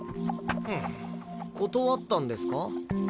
断ったんですか？